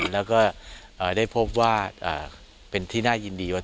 แล้วก็ได้พบว่าเป็นที่น่ายินดีว่า